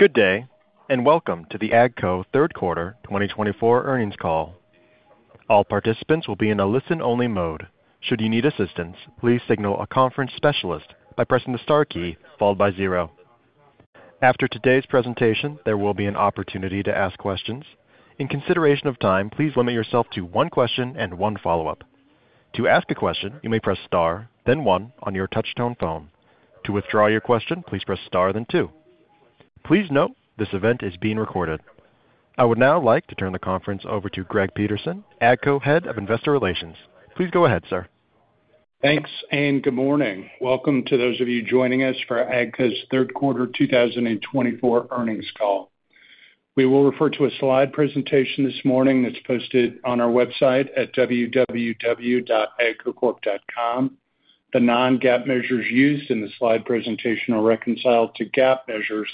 Good day, and welcome to the AGCO Q3 2024 Earnings Call. All participants will be in a listen-only mode. Should you need assistance, please signal a conference specialist by pressing the star key followed by zero. After today's presentation, there will be an opportunity to ask questions. In consideration of time, please limit yourself to one question and one follow-up. To ask a question, you may press star, then 1, on your touch-tone phone. To withdraw your question, please press star, then 2. Please note this event is being recorded. I would now like to turn the conference over to Greg Peterson, AGCO Head of Investor Relations. Please go ahead, sir. Thanks, and good morning. Welcome to those of you joining us for AGCO Q3 2024 earnings call. We will refer to a slide presentation this morning that's posted on our website at www.agcocorp.com. The non-GAAP measures used in the slide presentation are reconciled to GAAP measures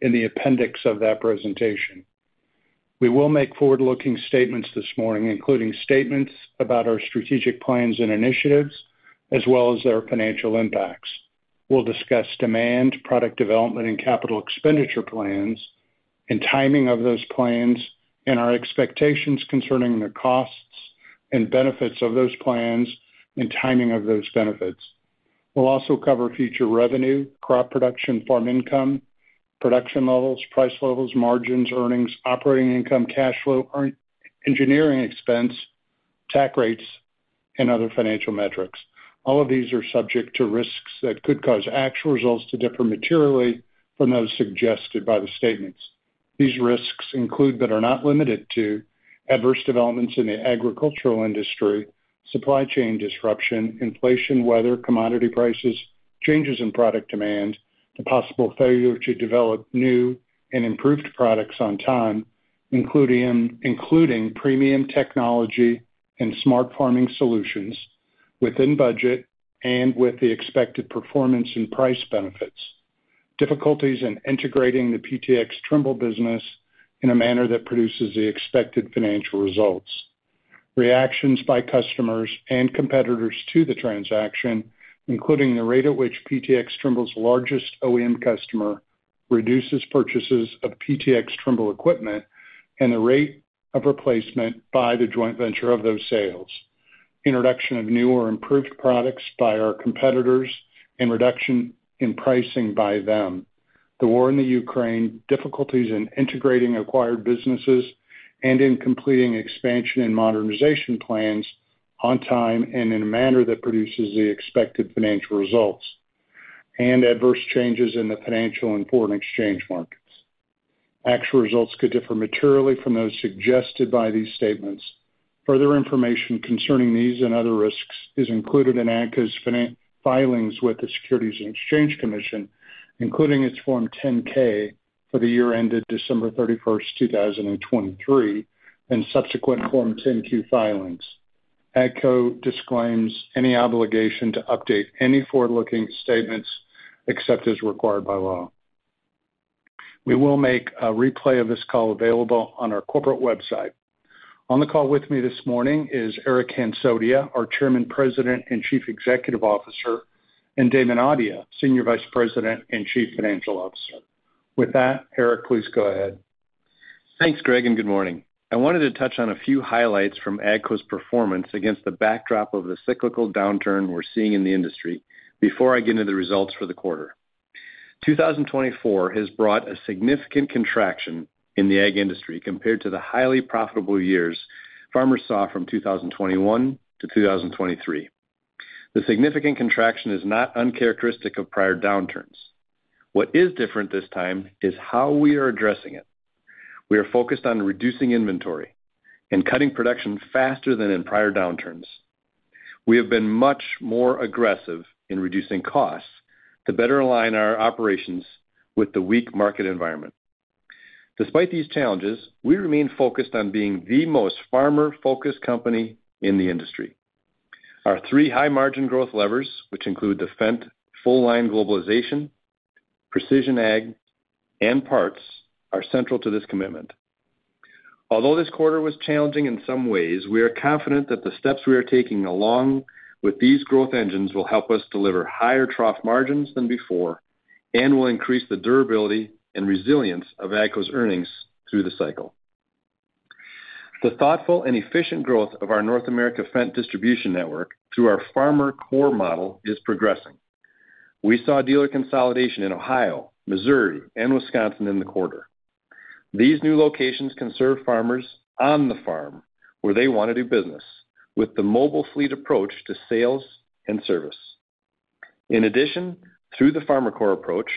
in the appendix of that presentation. We will make forward-looking statements this morning, including statements about our strategic plans and initiatives, as well as their financial impacts. We'll discuss demand, product development, and capital expenditure plans, and timing of those plans, and our expectations concerning the costs and benefits of those plans, and timing of those benefits. We'll also cover future revenue, crop production, farm income, production levels, price levels, margins, earnings, operating income, cash flow, engineering expense, tax rates, and other financial metrics. All of these are subject to risks that could cause actual results to differ materially from those suggested by the statements. These risks include, but are not limited to, adverse developments in the agricultural industry, supply chain disruption, inflation, weather, commodity prices, changes in product demand, the possible failure to develop new and improved products on time, including premium technology and smart farming solutions within budget and with the expected performance and price benefits, difficulties in integrating the PTx Trimble business in a manner that produces the expected financial results, reactions by customers and competitors to the transaction, including the rate at which PTx Trimble's largest OEM customer reduces purchases of PTx Trimble equipment, and the rate of replacement by the joint venture of those sales, introduction of new or improved products by our competitors, and reduction in pricing by them, the war in Ukraine, difficulties in integrating acquired businesses and in completing expansion and modernization plans on time and in a manner that produces the expected financial results, and adverse changes in the financial and foreign exchange markets. Actual results could differ materially from those suggested by these statements. Further information concerning these and other risks is included in AGCO's filings with the Securities and Exchange Commission, including its Form 10-K for the year ended December 31, 2023, and subsequent Form 10-Q filings. AGCO disclaims any obligation to update any forward-looking statements except as required by law. We will make a replay of this call available on our corporate website. On the call with me this morning is Eric Hansotia, our Chairman, President, and Chief Executive Officer, and Damon Audia, Senior Vice President and Chief Financial Officer. With that, Eric, please go ahead. Thanks, Greg, and good morning. I wanted to touch on a few highlights from AGCO's performance against the backdrop of the cyclical downturn we're seeing in the industry before I get into the results for the quarter. 2024 has brought a significant contraction in the ag industry compared to the highly profitable years farmers saw from 2021 to 2023. The significant contraction is not uncharacteristic of prior downturns. What is different this time is how we are addressing it. We are focused on reducing inventory and cutting production faster than in prior downturns. We have been much more aggressive in reducing costs to better align our operations with the weak market environment. Despite these challenges, we remain focused on being the most farmer-focused company in the industry. Our three high-margin growth levers, which include Fendt Full Line Globalization, Precision Ag, and Parts, are central to this commitment. Although this quarter was challenging in some ways, we are confident that the steps we are taking along with these growth engines will help us deliver higher trough margins than before and will increase the durability and resilience of AGCO's earnings through the cycle. The thoughtful and efficient growth of our North America Fendt distribution network through our FarmerCore model is progressing. We saw dealer consolidation in Ohio, Missouri, and Wisconsin in the quarter. These new locations can serve farmers on the farm where they want to do business with the mobile fleet approach to sales and service. In addition, through the FarmerCore approach,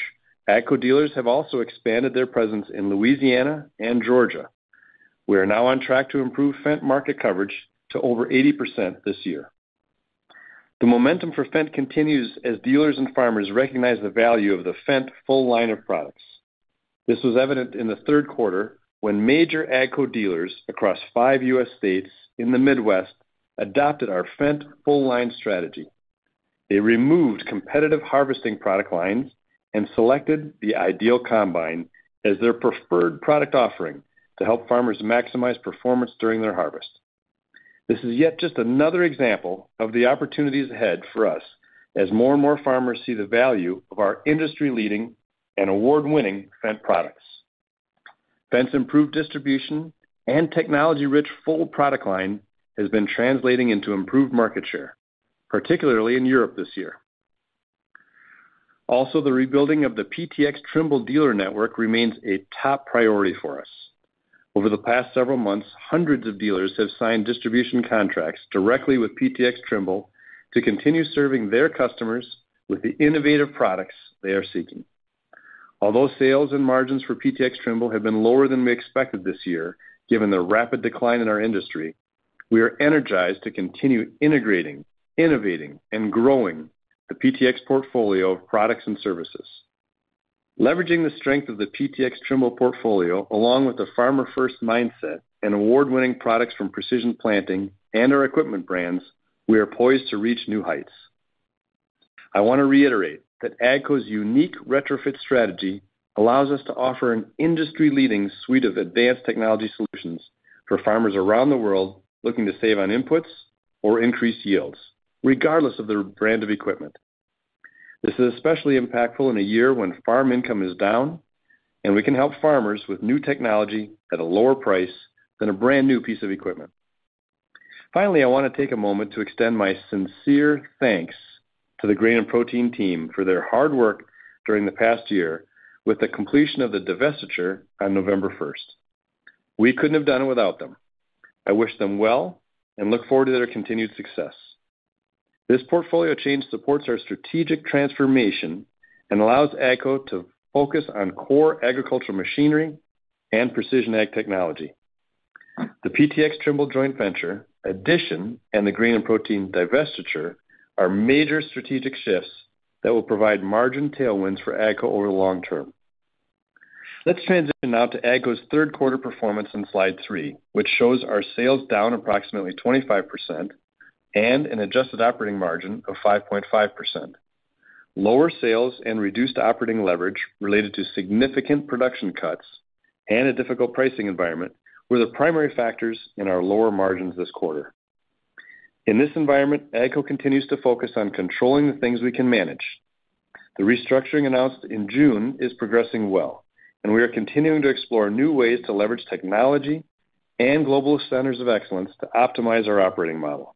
AGCO dealers have also expanded their presence in Louisiana and Georgia. We are now on track to improve Fendt market coverage to over 80% this year. The momentum for Fendt continues as dealers and farmers recognize the value of the Fendt Full Line of products. This was evident in the Q3 when major AGCO dealers across five U.S. states in the Midwest adopted our Fendt Full Line strategy. They removed competitive harvesting product lines and selected the IDEAL combine as their preferred product offering to help farmers maximize performance during their harvest. This is yet just another example of the opportunities ahead for us as more and more farmers see the value of our industry-leading and award-winning Fendt products. Fendt's improved distribution and technology-rich full product line has been translating into improved market share, particularly in Europe this year. Also, the rebuilding of the PTx Trimble dealer network remains a top priority for us. Over the past several months, hundreds of dealers have signed distribution contracts directly with PTx Trimble to continue serving their customers with the innovative products they are seeking. Although sales and margins for PTx Trimble have been lower than we expected this year, given the rapid decline in our industry, we are energized to continue integrating, innovating, and growing the PTx portfolio of products and services. Leveraging the strength of the PTx Trimble portfolio, along with the farmer-first mindset and award-winning products from Precision Planting and our equipment brands, we are poised to reach new heights. I want to reiterate that AGCO's unique retrofit strategy allows us to offer an industry-leading suite of advanced technology solutions for farmers around the world looking to save on inputs or increase yields, regardless of their brand of equipment. This is especially impactful in a year when farm income is down, and we can help farmers with new technology at a lower price than a brand new piece of equipment. Finally, I want to take a moment to extend my sincere thanks to the Grain & Protein team for their hard work during the past year with the completion of the divestiture on November 1. We couldn't have done it without them. I wish them well and look forward to their continued success. This portfolio change supports our strategic transformation and allows AGCO to focus on core agricultural machinery and Precision Ag technology. The PTx Trimble joint venture, addition, and the Grain & Protein divestiture are major strategic shifts that will provide margin tailwinds for AGCO over the long term. Let's transition now to AGCO's Q3 performance in slide 3, which shows our sales down approximately 25% and an adjusted operating margin of 5.5%. Lower sales and reduced operating leverage related to significant production cuts and a difficult pricing environment were the primary factors in our lower margins this quarter. In this environment, AGCO continues to focus on controlling the things we can manage. The restructuring announced in June is progressing well, and we are continuing to explore new ways to leverage technology and global centers of excellence to optimize our operating model.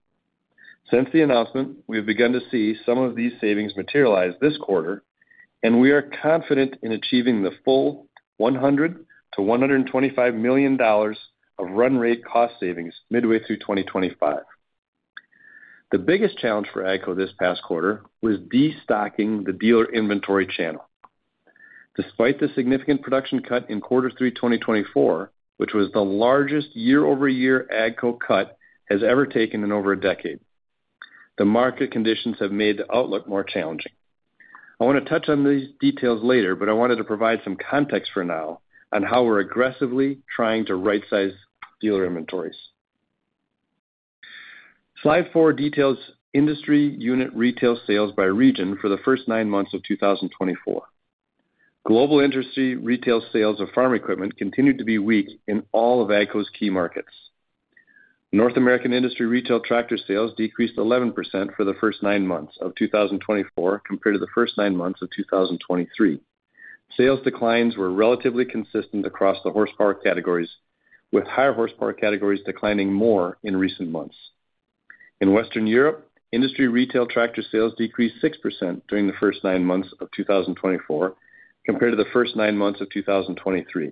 Since the announcement, we have begun to see some of these savings materialize this quarter, and we are confident in achieving the full $100-$125 million of run rate cost savings midway through 2025. The biggest challenge for AGCO this past quarter was destocking the dealer inventory channel. Despite the significant production cut in Q3 2024, which was the largest year-over-year AGCO cut it has ever taken in over a decade, the market conditions have made the outlook more challenging. I want to touch on these details later, but I wanted to provide some context for now on how we're aggressively trying to right-size dealer inventories. Slide 4 details industry unit retail sales by region for the first nine months of 2024. Global industry retail sales of farm equipment continued to be weak in all of AGCO's key markets. North American industry retail tractor sales decreased 11% for the first nine months of 2024 compared to the first nine months of 2023. Sales declines were relatively consistent across the horsepower categories, with higher horsepower categories declining more in recent months. In Western Europe, industry retail tractor sales decreased 6% during the first nine months of 2024 compared to the first nine months of 2023.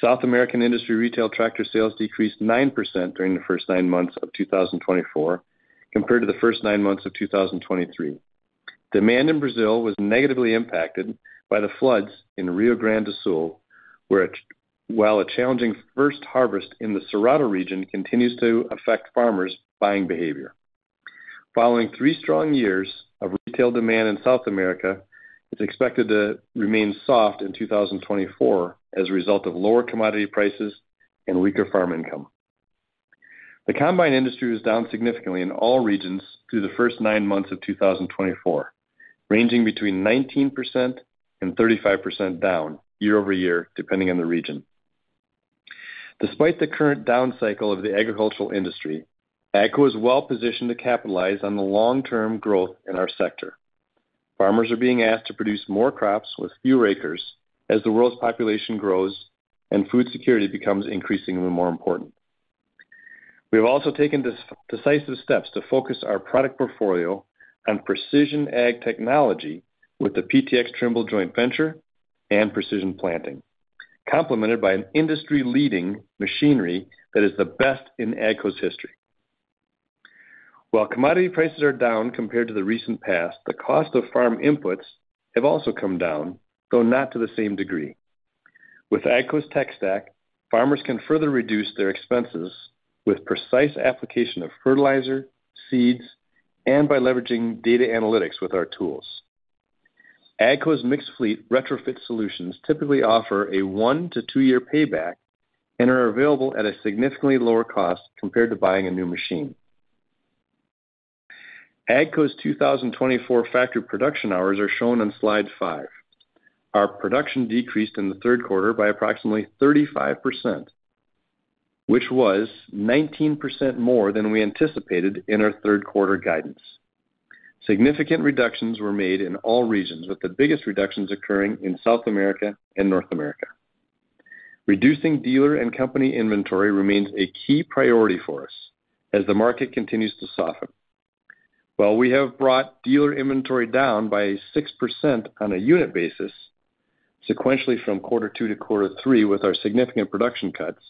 South American industry retail tractor sales decreased 9% during the first nine months of 2024 compared to the first nine months of 2023. Demand in Brazil was negatively impacted by the floods in Rio Grande do Sul, while a challenging first harvest in the Cerrado region continues to affect farmers' buying behavior. Following three strong years of retail demand in South America, it's expected to remain soft in 2024 as a result of lower commodity prices and weaker farm income. The combine industry was down significantly in all regions through the first nine months of 2024, ranging between 19% and 35% down year-over-year depending on the region. Despite the current down cycle of the agricultural industry, AGCO is well-positioned to capitalize on the long-term growth in our sector. Farmers are being asked to produce more crops with fewer acres as the world's population grows and food security becomes increasingly more important. We have also taken decisive steps to focus our product portfolio on Precision Ag technology with the PTx Trimble joint venture and Precision Planting, complemented by industry-leading machinery that is the best in AGCO's history. While commodity prices are down compared to the recent past, the cost of farm inputs have also come down, though not to the same degree. With AGCO's tech stack, farmers can further reduce their expenses with precise application of fertilizer, seeds, and by leveraging data analytics with our tools. AGCO's mixed fleet retrofit solutions typically offer a one- to two-year payback and are available at a significantly lower cost compared to buying a new machine. AGCO's 2024 factory production hours are shown on slide five. Our production decreased in the Q3 by approximately 35%, which was 19% more than we anticipated in our Q3 guidance. Significant reductions were made in all regions, with the biggest reductions occurring in South America and North America. Reducing dealer and company inventory remains a key priority for us as the market continues to soften. While we have brought dealer inventory down by 6% on a unit basis, sequentially from Q2 to Q3 with our significant production cuts,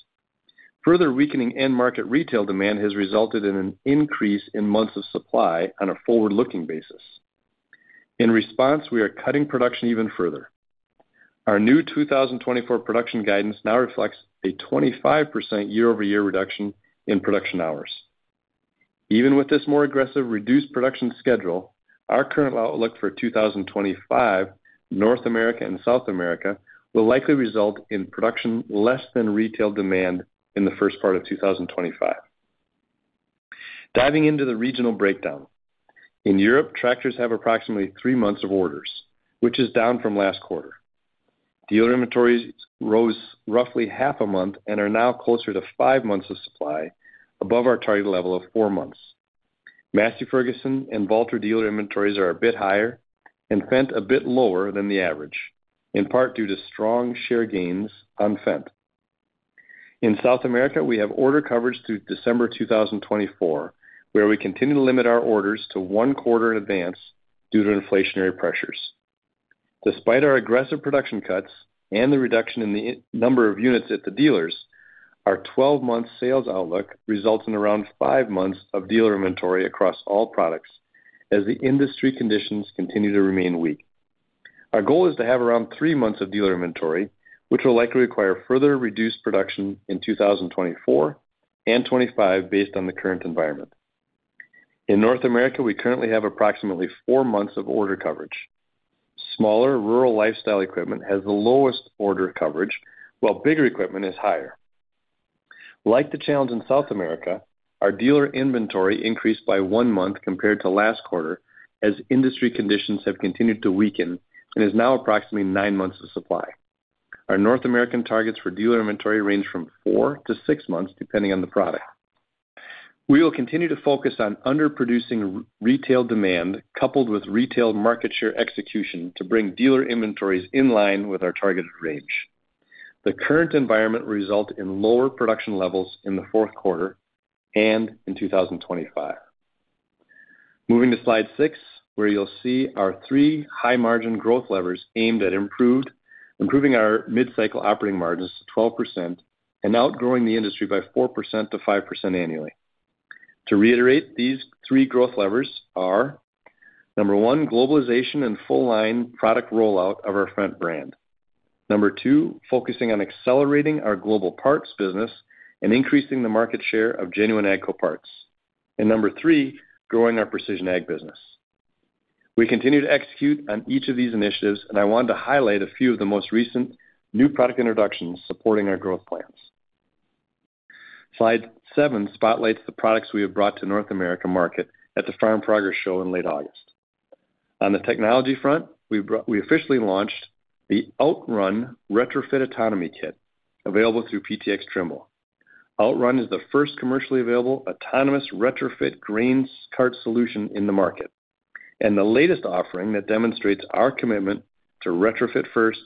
further weakening end-market retail demand has resulted in an increase in months of supply on a forward-looking basis. In response, we are cutting production even further. Our new 2024 production guidance now reflects a 25% year-over-year reduction in production hours. Even with this more aggressive reduced production schedule, our current outlook for 2025 North America and South America will likely result in production less than retail demand in the first part of 2025. Diving into the regional breakdown, in Europe, tractors have approximately three months of orders, which is down from last quarter. Dealer inventories rose roughly half a month and are now closer to five months of supply, above our target level of four months. Massey Ferguson and Valtra dealer inventories are a bit higher and Fendt a bit lower than the average, in part due to strong share gains on Fendt. In South America, we have order coverage through December 2024, where we continue to limit our orders to one quarter in advance due to inflationary pressures. Despite our aggressive production cuts and the reduction in the number of units at the dealers, our 12-month sales outlook results in around five months of dealer inventory across all products as the industry conditions continue to remain weak. Our goal is to have around three months of dealer inventory, which will likely require further reduced production in 2024 and 2025 based on the current environment. In North America, we currently have approximately four months of order coverage. Smaller Rural Lifestyle equipment has the lowest order coverage, while bigger equipment is higher. Like the challenge in South America, our dealer inventory increased by one month compared to last quarter as industry conditions have continued to weaken and is now approximately nine months of supply. Our North American targets for dealer inventory range from four to six months depending on the product. We will continue to focus on underproducing retail demand coupled with retail market share execution to bring dealer inventories in line with our targeted range. The current environment will result in lower production levels in the Q4 and in 2025. Moving to slide 6, where you'll see our three high-margin growth levers aimed at improving our mid-cycle operating margins to 12% and outgrowing the industry by 4%-5% annually. To reiterate, these three growth levers are: number one, globalization and full-line product rollout of our Fendt brand; number two, focusing on accelerating our global parts business and increasing the market share of genuine AGCO parts; and number three, growing our Precision Ag business. We continue to execute on each of these initiatives, and I wanted to highlight a few of the most recent new product introductions supporting our growth plans. Slide 7 spotlights the products we have brought to the North America market at the Farm Progress Show in late August. On the technology front, we officially launched the OutRun retrofit autonomy kit, available through PTx Trimble. OutRun is the first commercially available autonomous retrofit grain cart solution in the market and the latest offering that demonstrates our commitment to retrofit-first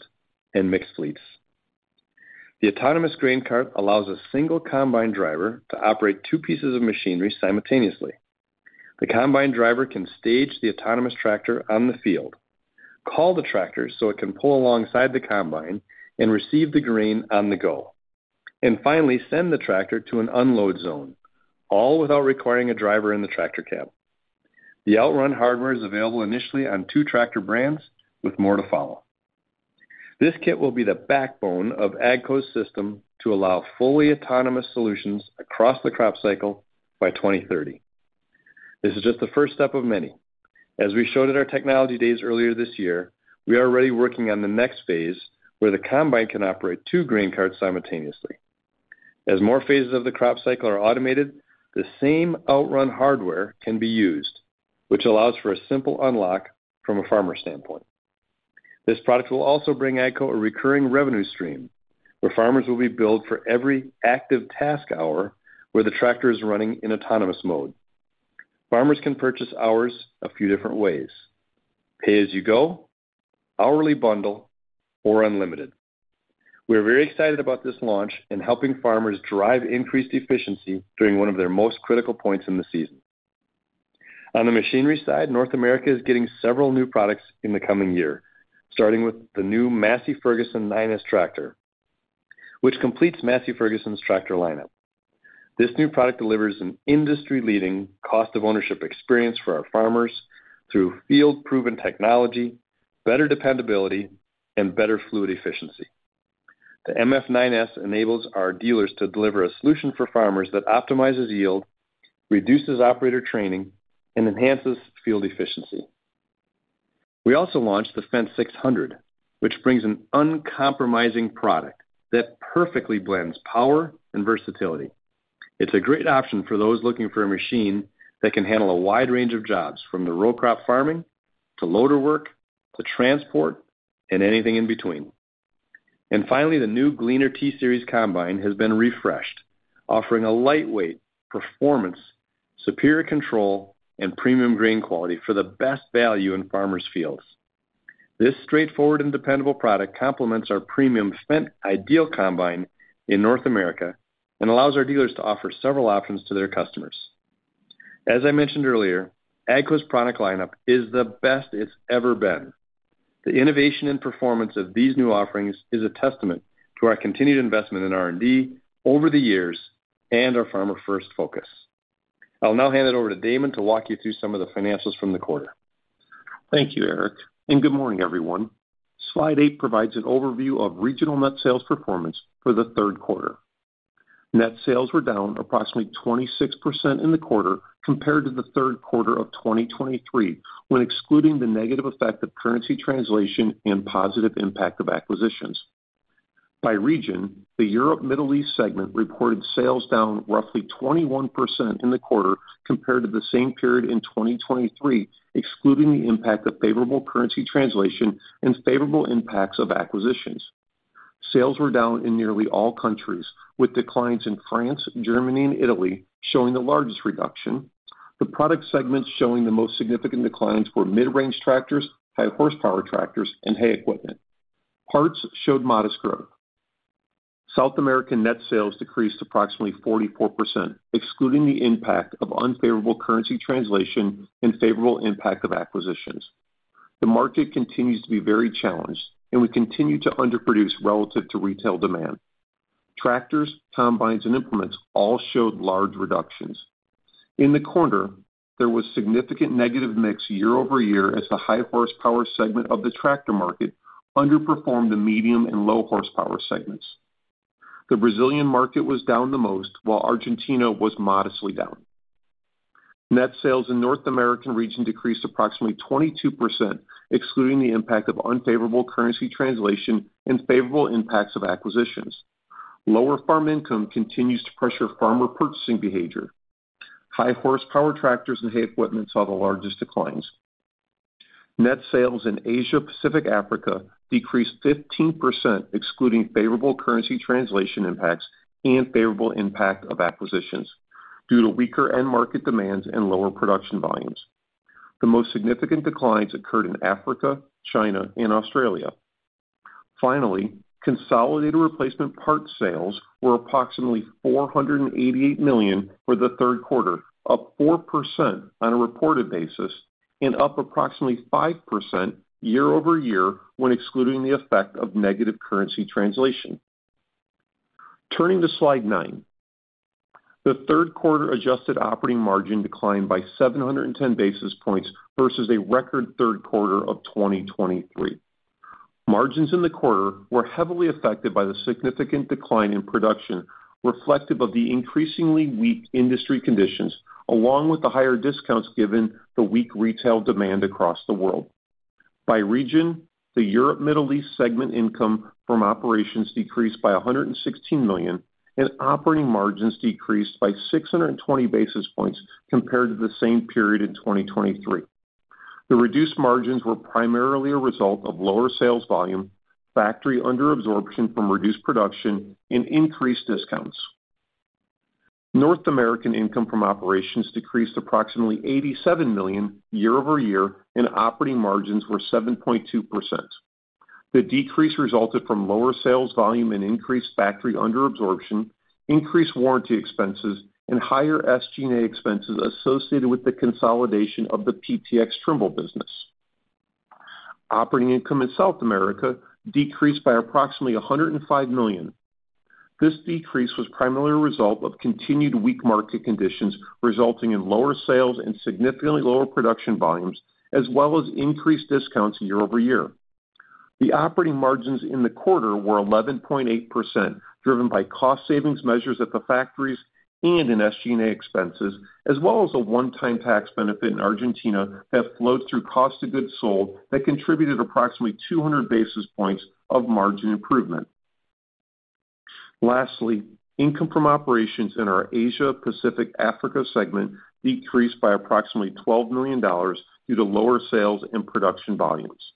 and mixed fleets. The autonomous grain cart allows a single combine driver to operate two pieces of machinery simultaneously. The combine driver can stage the autonomous tractor on the field, call the tractor so it can pull alongside the combine and receive the grain on the go, and finally send the tractor to an unload zone, all without requiring a driver in the tractor cab. The OutRun hardware is available initially on two tractor brands, with more to follow. This kit will be the backbone of AGCO's system to allow fully autonomous solutions across the crop cycle by 2030. This is just the first step of many. As we showed at our technology days earlier this year, we are already working on the next phase where the combine can operate two grain carts simultaneously. As more phases of the crop cycle are automated, the same OutRun hardware can be used, which allows for a simple unlock from a farmer's standpoint. This product will also bring AGCO a recurring revenue stream where farmers will be billed for every active task hour where the tractor is running in autonomous mode. Farmers can purchase hours a few different ways: pay-as-you-go, hourly bundle, or unlimited. We are very excited about this launch in helping farmers drive increased efficiency during one of their most critical points in the season. On the machinery side, North America is getting several new products in the coming year, starting with the new Massey Ferguson 9S tractor, which completes Massey Ferguson's tractor lineup. This new product delivers an industry-leading cost-of-ownership experience for our farmers through field-proven technology, better dependability, and better fluid efficiency. The MF 9S enables our dealers to deliver a solution for farmers that optimizes yield, reduces operator training, and enhances field efficiency. We also launched the Fendt 600, which brings an uncompromising product that perfectly blends power and versatility. It's a great option for those looking for a machine that can handle a wide range of jobs, from the row crop farming to loader work to transport and anything in between. And finally, the new Gleaner T-Series combine has been refreshed, offering a lightweight performance, superior control, and premium grain quality for the best value in farmers' fields. This straightforward and dependable product complements our premium Fendt IDEAL combine in North America and allows our dealers to offer several options to their customers. As I mentioned earlier, AGCO's product lineup is the best it's ever been. The innovation and performance of these new offerings is a testament to our continued investment in R&D over the years and our farmer-first focus. I'll now hand it over to Damon to walk you through some of the financials from the quarter. Thank you, Eric, and good morning, everyone. Slide 8 provides an overview of regional net sales performance for the Q3. Net sales were down approximately 26% in the quarter compared to the Q3 of 2023, when excluding the negative effect of currency translation and positive impact of acquisitions. By region, the Europe-Middle East segment reported sales down roughly 21% in the quarter compared to the same period in 2023, excluding the impact of favorable currency translation and favorable impacts of acquisitions. Sales were down in nearly all countries, with declines in France, Germany, and Italy showing the largest reduction. The product segments showing the most significant declines were mid-range tractors, high-horsepower tractors, and hay equipment. Parts showed modest growth. South American net sales decreased approximately 44%, excluding the impact of unfavorable currency translation and favorable impact of acquisitions. The market continues to be very challenged, and we continue to underproduce relative to retail demand. Tractors, combines, and implements all showed large reductions. In the quarter, there was significant negative mix year-over-year as the high-horsepower segment of the tractor market underperformed the medium and low-horsepower segments. The Brazilian market was down the most, while Argentina was modestly down. Net sales in the North American region decreased approximately 22%, excluding the impact of unfavorable currency translation and favorable impacts of acquisitions. Lower farm income continues to pressure farmer purchasing behavior. High-horsepower tractors and hay equipment saw the largest declines. Net sales in Asia/Pacific/Africa decreased 15%, excluding favorable currency translation impacts and favorable impact of acquisitions due to weaker end-market demands and lower production volumes. The most significant declines occurred in Africa, China, and Australia. Finally, consolidated replacement parts sales were approximately $488 million for the Q3, up 4% on a reported basis and up approximately 5% year-over-year when excluding the effect of negative currency translation. Turning to slide 9, the Q3 adjusted operating margin declined by 710 basis points versus a record Q3 of 2023. Margins in the quarter were heavily affected by the significant decline in production, reflective of the increasingly weak industry conditions, along with the higher discounts given the weak retail demand across the world. By region, the Europe-Middle East segment income from operations decreased by $116 million, and operating margins decreased by 620 basis points compared to the same period in 2023. The reduced margins were primarily a result of lower sales volume, factory underabsorption from reduced production, and increased discounts. North American income from operations decreased approximately $87 million year-over-year, and operating margins were 7.2%. The decrease resulted from lower sales volume and increased factory underabsorption, increased warranty expenses, and higher SG&A expenses associated with the consolidation of the PTx Trimble business. Operating income in South America decreased by approximately $105 million. This decrease was primarily a result of continued weak market conditions resulting in lower sales and significantly lower production volumes, as well as increased discounts year-over-year. The operating margins in the quarter were 11.8%, driven by cost savings measures at the factories and in SG&A expenses, as well as a one-time tax benefit in Argentina that flowed through cost of goods sold that contributed approximately 200 basis points of margin improvement. Lastly, income from operations in our Asia-Pacific Africa segment decreased by approximately $12 million due to lower sales and production volumes.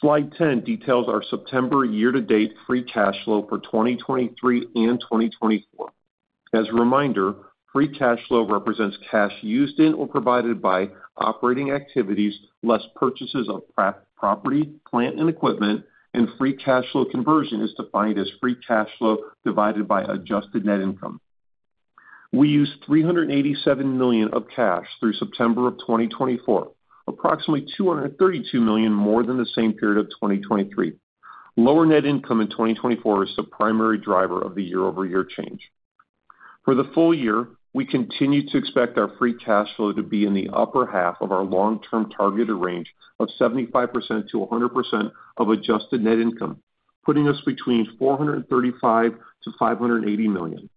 Slide 10 details our September year-to-date free cash flow for 2023 and 2024. As a reminder, free cash flow represents cash used in or provided by operating activities less purchases of property, plant, and equipment, and free cash flow conversion is defined as free cash flow divided by adjusted net income. We used $387 million of cash through September of 2024, approximately $232 million more than the same period of 2023. Lower net income in 2024 is the primary driver of the year-over-year change. For the full year, we continue to expect our free cash flow to be in the upper half of our long-term targeted range of 75% to 100% of adjusted net income, putting us between $435 million to $580 million.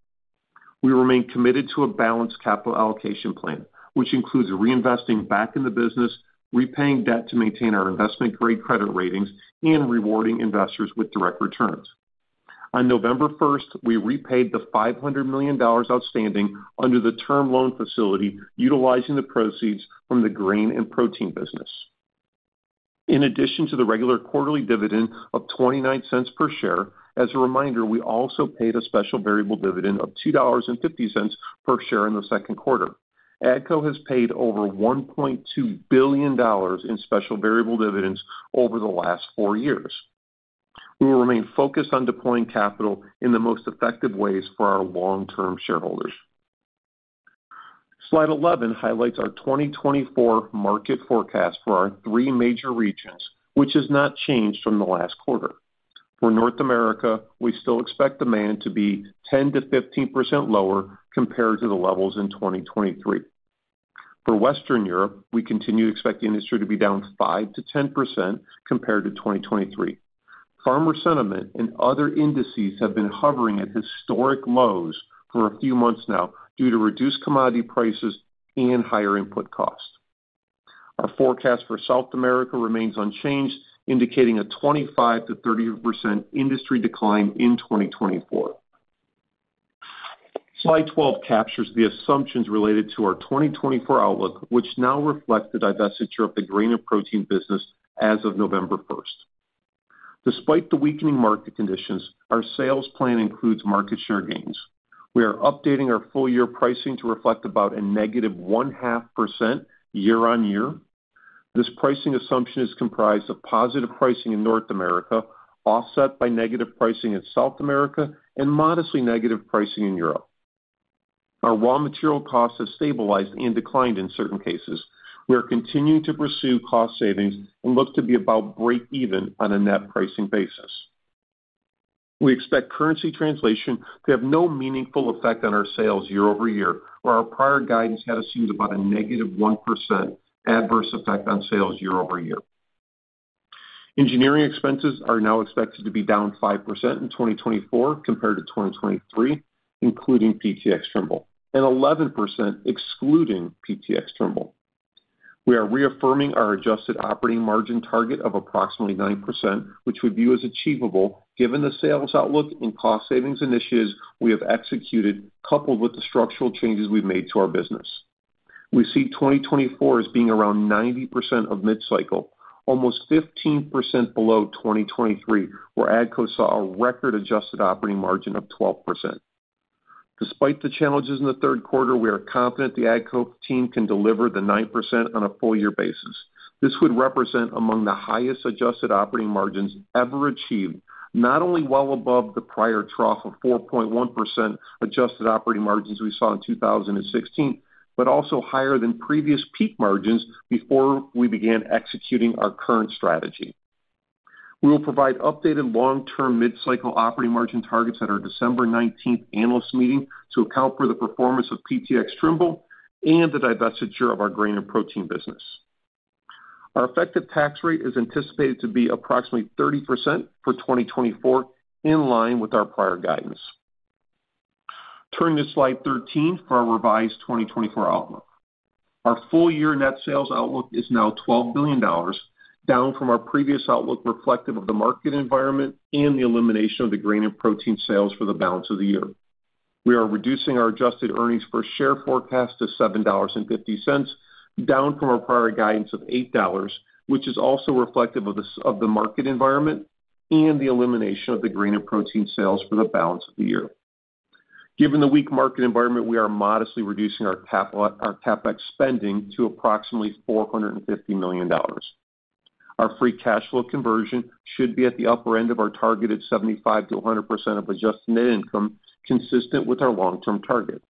We remain committed to a balanced capital allocation plan, which includes reinvesting back in the business, repaying debt to maintain our investment-grade credit ratings, and rewarding investors with direct returns. On November 1, we repaid the $500 million outstanding under the term loan facility, utilizing the proceeds from the Grain & Protein business. In addition to the regular quarterly dividend of $0.29 per share, as a reminder, we also paid a special variable dividend of $2.50 per share in the second quarter. AGCO has paid over $1.2 billion in special variable dividends over the last four years. We will remain focused on deploying capital in the most effective ways for our long-term shareholders. Slide 11 highlights our 2024 market forecast for our three major regions, which has not changed from the last quarter. For North America, we still expect demand to be 10%-15% lower compared to the levels in 2023. For Western Europe, we continue to expect the industry to be down 5%-10% compared to 2023. Farmer sentiment and other indices have been hovering at historic lows for a few months now due to reduced commodity prices and higher input costs. Our forecast for South America remains unchanged, indicating a 25% to 30% industry decline in 2024. Slide 12 captures the assumptions related to our 2024 outlook, which now reflects the divestiture of the Grain & Protein business as of November 1. Despite the weakening market conditions, our sales plan includes market share gains. We are updating our full-year pricing to reflect about a negative 0.5% year-on-year. This pricing assumption is comprised of positive pricing in North America, offset by negative pricing in South America, and modestly negative pricing in Europe. Our raw material costs have stabilized and declined in certain cases. We are continuing to pursue cost savings and look to be about break-even on a net pricing basis. We expect currency translation to have no meaningful effect on our sales year-over-year, where our prior guidance had assumed about a negative 1% adverse effect on sales year-over-year. Engineering expenses are now expected to be down 5% in 2024 compared to 2023, including PTx Trimble, and 11% excluding PTx Trimble. We are reaffirming our adjusted operating margin target of approximately 9%, which we view as achievable given the sales outlook and cost savings initiatives we have executed, coupled with the structural changes we've made to our business. We see 2024 as being around 90% of mid-cycle, almost 15% below 2023, where AGCO saw a record adjusted operating margin of 12%. Despite the challenges in the Q3, we are confident the AGCO team can deliver the 9% on a full-year basis. This would represent among the highest adjusted operating margins ever achieved, not only well above the prior trough of 4.1% adjusted operating margins we saw in 2016, but also higher than previous peak margins before we began executing our current strategy. We will provide updated long-term mid-cycle operating margin targets at our December 19 analyst meeting to account for the performance of PTx Trimble and the divestiture of our Grain & Protein business. Our effective tax rate is anticipated to be approximately 30% for 2024, in line with our prior guidance. Turning to slide 13 for our revised 2024 outlook. Our full-year net sales outlook is now $12 billion, down from our previous outlook reflective of the market environment and the elimination of the Grain & Protein sales for the balance of the year. We are reducing our adjusted earnings per share forecast to $7.50, down from our prior guidance of $8, which is also reflective of the market environment and the elimination of the Grain & Protein sales for the balance of the year. Given the weak market environment, we are modestly reducing our CapEx spending to approximately $450 million. Our free cash flow conversion should be at the upper end of our targeted 75%-100% of adjusted net income, consistent with our long-term target.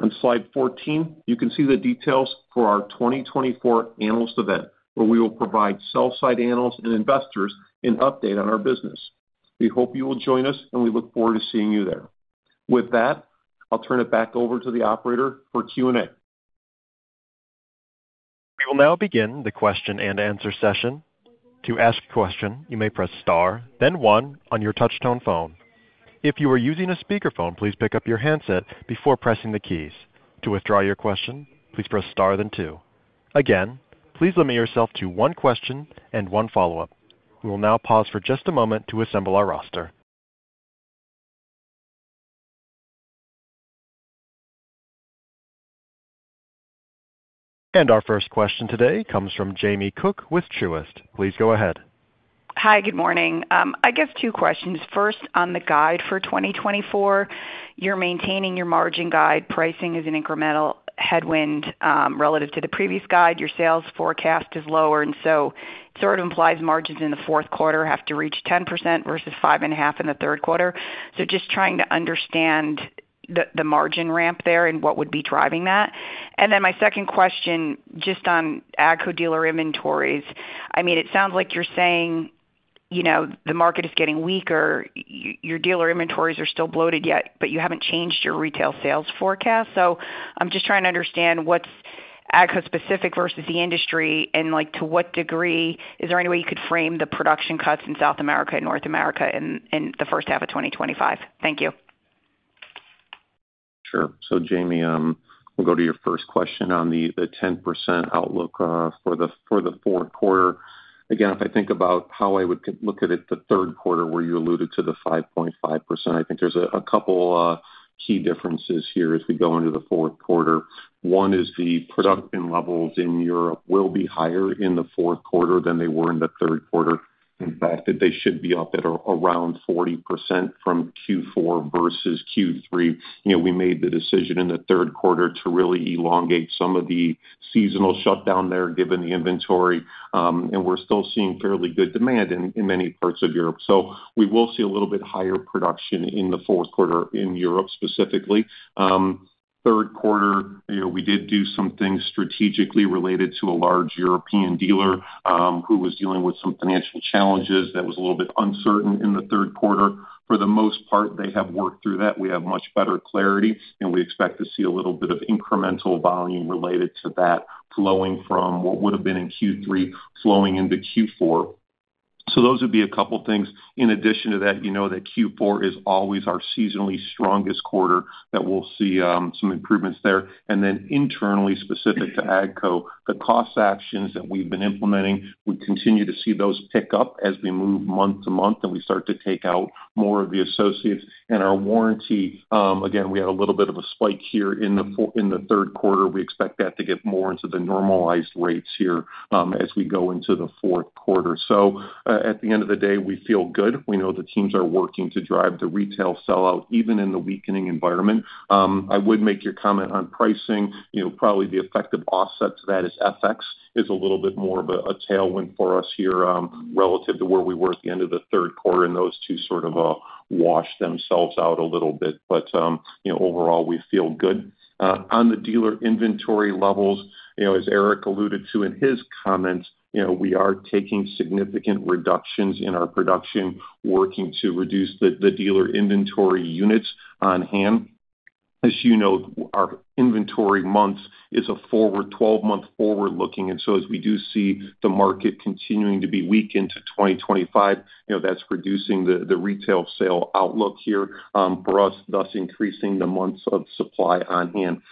On slide 14, you can see the details for our 2024 analyst event, where we will provide sell-side analysts and investors an update on our business. We hope you will join us, and we look forward to seeing you there. With that, I'll turn it back over to the operator for Q&A. We will now begin the question and answer session. To ask a question, you may press star, then 1 on your touch-tone phone. If you are using a speakerphone, please pick up your handset before pressing the keys. To withdraw your question, please press star, then 2. Again, please limit yourself to one question and one follow-up. We will now pause for just a moment to assemble our roster. And our first question today comes from Jamie Cook with Truist. Please go ahead. Hi, good morning. I guess two questions. First, on the guide for 2024, you're maintaining your margin guide. Pricing is an incremental headwind relative to the previous guide. Your sales forecast is lower, and so it sort of implies margins in the fourth quarter have to reach 10% versus 5.5% in the third quarter. So just trying to understand the margin ramp there and what would be driving that. And then my second question, just on AGCO dealer inventories. I mean, it sounds like you're saying the market is getting weaker. Your dealer inventories are still bloated yet, but you haven't changed your retail sales forecast. I'm just trying to understand what's AGCO-specific versus the industry, and to what degree is there any way you could frame the production cuts in South America and North America in the first half of 2025? Thank you. Sure. Jamie, we'll go to your first question on the 10% outlook for the fourth quarter. Again, if I think about how I would look at it the third quarter, where you alluded to the 5.5%, I think there's a couple key differences here as we go into the fourth quarter. One is the production levels in Europe will be higher in the fourth quarter than they were in the third quarter. In fact, they should be up at around 40% from Q4 versus Q3. We made the decision in the third quarter to really elongate some of the seasonal shutdown there given the inventory, and we're still seeing fairly good demand in many parts of Europe. So we will see a little bit higher production in the fourth quarter in Europe specifically. Third quarter, we did do some things strategically related to a large European dealer who was dealing with some financial challenges that was a little bit uncertain in the third quarter. For the most part, they have worked through that. We have much better clarity, and we expect to see a little bit of incremental volume related to that flowing from what would have been in Q3 flowing into Q4. So those would be a couple things. In addition to that, you know that Q4 is always our seasonally strongest quarter that we'll see some improvements there. And then, internally, specific to AGCO, the cost actions that we've been implementing. We continue to see those pick up as we move month to month and we start to take out more of the associates and our warranty. Again, we had a little bit of a spike here in the third quarter. We expect that to get more into the normalized rates here as we go into the fourth quarter, so at the end of the day, we feel good. We know the teams are working to drive the retail sellout even in the weakening environment. I would make your comment on pricing. Probably the effective offset to that is FX is a little bit more of a tailwind for us here relative to where we were at the end of the third quarter, and those two sort of washed themselves out a little bit. But overall, we feel good. On the dealer inventory levels, as Eric alluded to in his comments, we are taking significant reductions in our production, working to reduce the dealer inventory units on hand. As you know, our inventory months is a 12-month forward-looking. And so as we do see the market continuing to be weak into 2025, that's reducing the retail sale outlook here for us, thus increasing the months of supply on hand.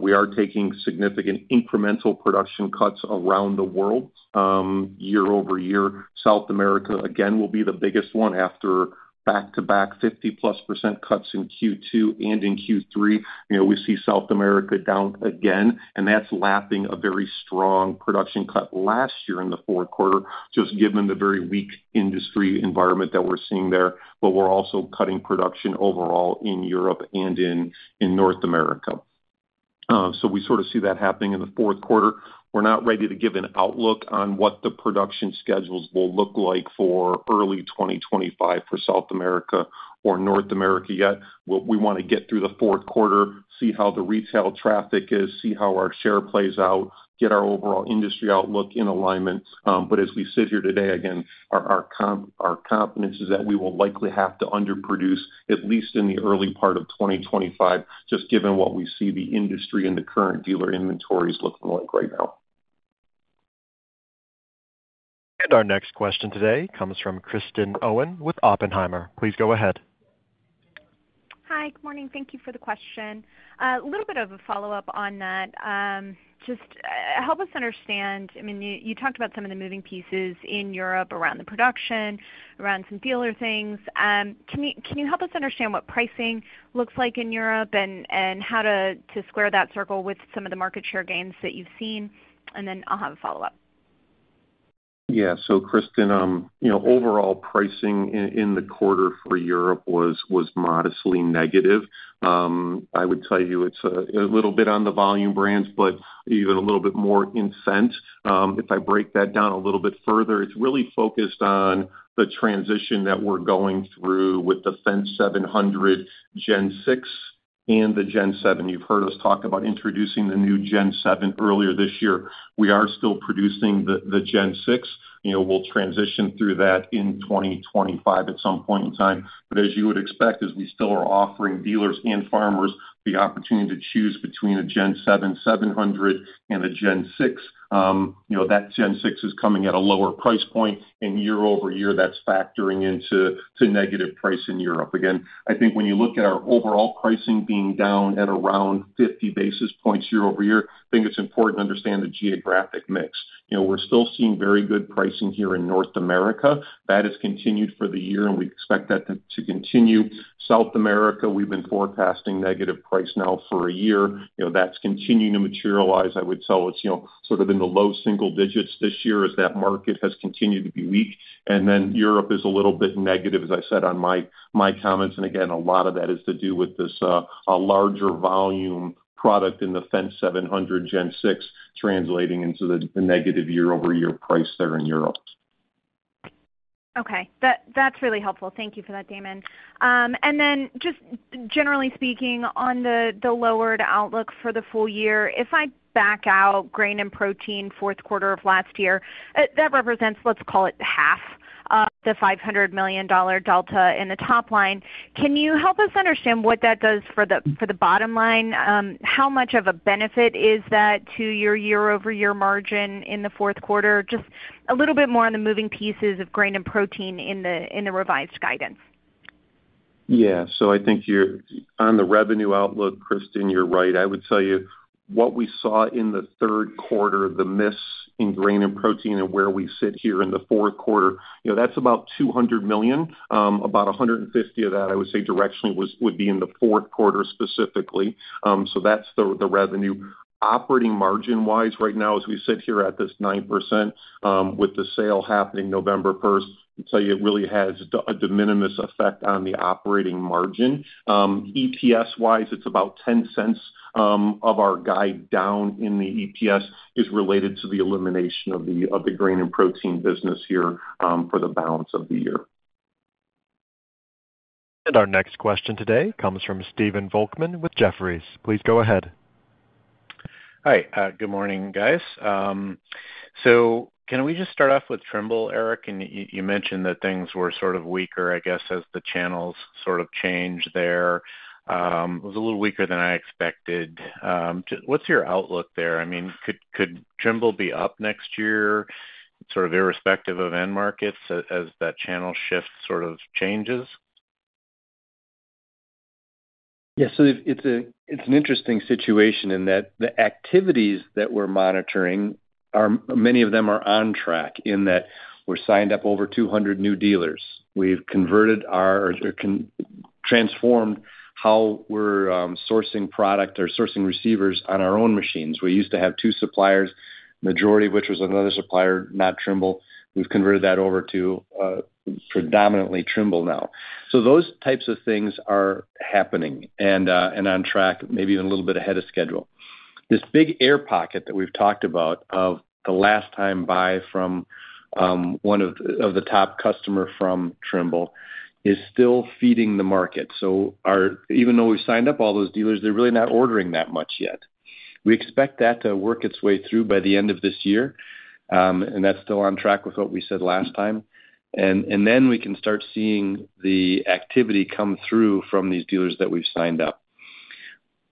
We are taking significant incremental production cuts around the world year-over-year. South America, again, will be the biggest one after back-to-back 50-plus% cuts in Q2 and in Q3. We see South America down again, and that's lapping a very strong production cut last year in the fourth quarter, just given the very weak industry environment that we're seeing there. But we're also cutting production overall in Europe and in North America. So we sort of see that happening in the fourth quarter. We're not ready to give an outlook on what the production schedules will look like for early 2025 for South America or North America yet. We want to get through the fourth quarter, see how the retail traffic is, see how our share plays out, get our overall industry outlook in alignment. But as we sit here today, again, our confidence is that we will likely have to underproduce at least in the early part of 2025, just given what we see the industry and the current dealer inventories looking like right now. And our next question today comes from Kristen Owen with Oppenheimer. Please go ahead. Hi, good morning. Thank you for the question. A little bit of a follow-up on that. Just help us understand. I mean, you talked about some of the moving pieces in Europe around the production, around some dealer things. Can you help us understand what pricing looks like in Europe and how to square that circle with some of the market share gains that you've seen? And then I'll have a follow-up. Yeah. So Kristen, overall pricing in the quarter for Europe was modestly negative. I would tell you it's a little bit on the volume brands, but even a little bit more incentives. If I break that down a little bit further, it's really focused on the transition that we're going through with the Fendt 700 Gen6 and the Gen7. You've heard us talk about introducing the new Gen7 earlier this year. We are still producing the Gen6. We'll transition through that in 2025 at some point in time. But as you would expect, as we still are offering dealers and farmers the opportunity to choose between a Gen7 700 and a Gen6, that Gen6 is coming at a lower price point, and year-over-year, that's factoring into negative pricing in Europe. Again, I think when you look at our overall pricing being down at around 50 basis points year-over-year, I think it's important to understand the geographic mix. We're still seeing very good pricing here in North America. That has continued for the year, and we expect that to continue. South America, we've been forecasting negative pricing now for a year. That's continuing to materialize. I'd say it's sort of in the low single digits this year as that market has continued to be weak. And then Europe is a little bit negative, as I said in my comments. A lot of that is to do with this larger volume product in the Fendt 700 Gen6 translating into the negative year-over-year price there in Europe. Okay. That's really helpful. Thank you for that, Damon. Then just generally speaking, on the lowered outlook for the full year, if I back out Grain & Protein fourth quarter of last year, that represents, let's call it half of the $500 million delta in the top line. Can you help us understand what that does for the bottom line? How much of a benefit is that to your year-over-year margin in the fourth quarter? Just a little bit more on the moving pieces of Grain & Protein in the revised guidance. Yeah. I think on the revenue outlook, Kristen, you're right. I would tell you what we saw in the third quarter, the miss in Grain & Protein and where we sit here in the fourth quarter. That's about $200 million. About $150 million of that, I would say, directionally would be in the fourth quarter specifically. So that's the revenue. Operating margin-wise right now, as we sit here at this 9% with the sale happening November 1st, I'd tell you it really has a de minimis effect on the operating margin. EPS-wise, it's about $0.10 of our guide down in the EPS is related to the elimination of the Grain & Protein business here for the balance of the year. And our next question today comes from Stephen Volkmann with Jefferies. Please go ahead. Hi. Good morning, guys. So can we just start off with Trimble, Eric? And you mentioned that things were sort of weaker, I guess, as the channels sort of changed there. It was a little weaker than I expected. What's your outlook there? I mean, could Trimble be up next year, sort of irrespective of end markets, as that channel shift sort of changes? Yeah. So it's an interesting situation in that the activities that we're monitoring, many of them are on track in that we're signed up over 200 new dealers. We've converted or transformed how we're sourcing product or sourcing receivers on our own machines. We used to have two suppliers, the majority of which was another supplier, not Trimble. We've converted that over to predominantly Trimble now. So those types of things are happening and on track, maybe even a little bit ahead of schedule. This big air pocket that we've talked about from the last time buy from one of the top customers from Trimble is still feeding the market. So even though we've signed up all those dealers, they're really not ordering that much yet. We expect that to work its way through by the end of this year, and that's still on track with what we said last time, and then we can start seeing the activity come through from these dealers that we've signed up.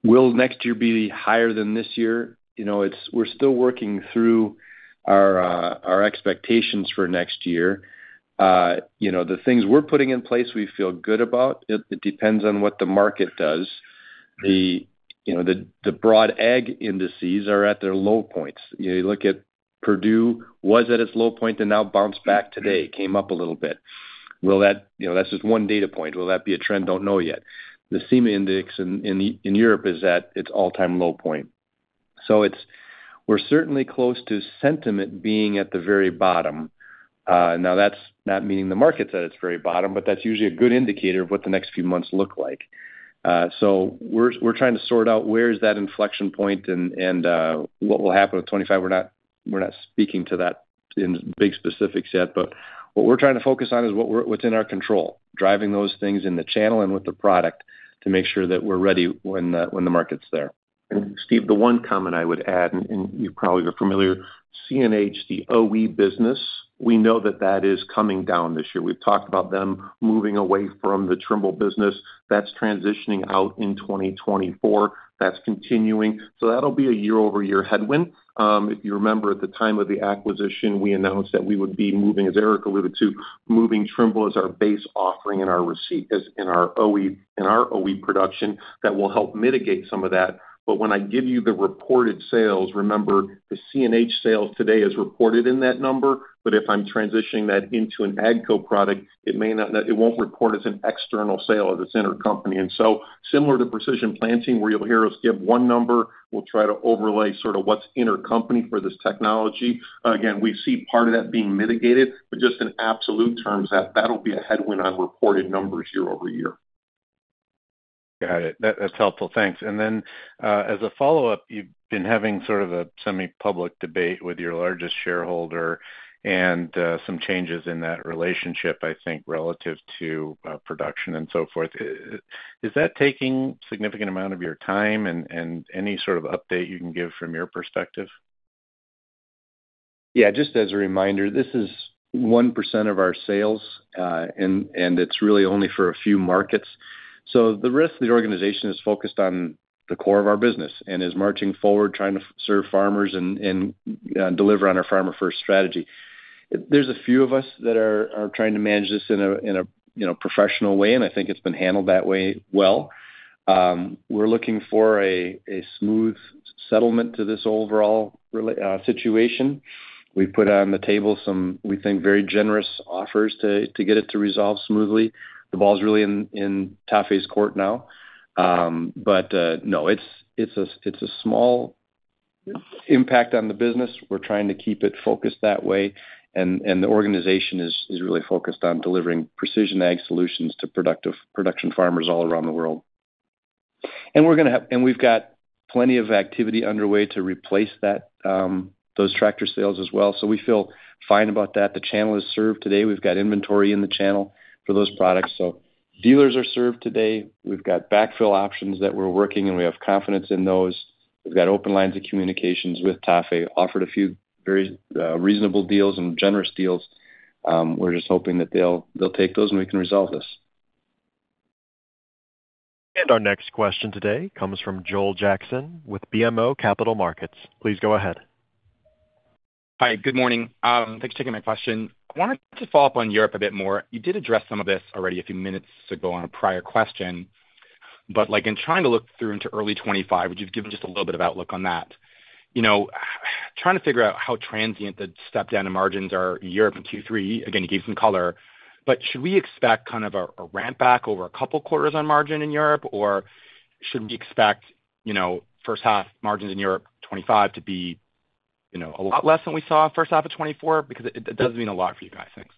Will next year be higher than this year? We're still working through our expectations for next year. The things we're putting in place, we feel good about. It depends on what the market does. The broad ag indices are at their low points. You look at Purdue. It was at its low point and now bounced back today. It came up a little bit. That's just one data point. Will that be a trend? Don't know yet. The CEMA index in Europe is at its all-time low point. So we're certainly close to sentiment being at the very bottom. Now, that's not meaning the market's at its very bottom, but that's usually a good indicator of what the next few months look like. So we're trying to sort out where is that inflection point and what will happen with 25. We're not speaking to that in big specifics yet, but what we're trying to focus on is what's in our control, driving those things in the channel and with the product to make sure that we're ready when the market's there. And Steve, the one comment I would add, and you probably are familiar, CNH, the OE business, we know that that is coming down this year. We've talked about them moving away from the Trimble business. That's transitioning out in 2024. That's continuing. So that'll be a year-over-year headwind. If you remember, at the time of the acquisition, we announced that we would be moving, as Eric alluded to, moving Trimble as our base offering in our OE production that will help mitigate some of that. But when I give you the reported sales, remember, the CNH sales today is reported in that number, but if I'm transitioning that into an AGCO product, it won't report as an external sale as it's intercompany. And so similar to Precision Planting, where you'll hear us give one number, we'll try to overlay sort of what's intercompany for this technology. Again, we see part of that being mitigated, but just in absolute terms, that'll be a headwind on reported numbers year-over-year. Got it. That's helpful. Thanks. And then as a follow-up, you've been having sort of a semi-public debate with your largest shareholder and some changes in that relationship, I think, relative to production and so forth. Is that taking a significant amount of your time and any sort of update you can give from your perspective? Yeah. Just as a reminder, this is 1% of our sales, and it's really only for a few markets. So the rest of the organization is focused on the core of our business and is marching forward, trying to serve farmers and deliver on our Farmer First strategy. There's a few of us that are trying to manage this in a professional way, and I think it's been handled that way well. We're looking for a smooth settlement to this overall situation. We put on the table some, we think, very generous offers to get it to resolve smoothly. The ball's really in TAFE's court now. But no, it's a small impact on the business. We're trying to keep it focused that way, and the organization is really focused on delivering precision ag solutions to production farmers all around the world, and we're going to have and we've got plenty of activity underway to replace those tractor sales as well, so we feel fine about that. The channel is served today. We've got inventory in the channel for those products. So dealers are served today. We've got backfill options that we're working, and we have confidence in those. We've got open lines of communications with TAFE, offered a few very reasonable deals and generous deals. We're just hoping that they'll take those and we can resolve this, And our next question today comes from Joel Jackson with BMO Capital Markets. Please go ahead. Hi. Good morning. Thanks for taking my question. I wanted to follow up on Europe a bit more. You did address some of this already a few minutes ago on a prior question. But in trying to look through into early 2025, would you give just a little bit of outlook on that? Trying to figure out how transient the step-down in margins are in Europe and Q3. Again, you gave some color. But should we expect kind of a ramp back over a couple quarters on margin in Europe, or should we expect first-half margins in Europe 2025 to be a lot less than we saw first-half of 2024? Because it does mean a lot for you guys. Thanks.